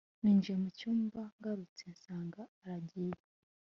Ninjiye mu cyumba ngarutse nsanga aragiye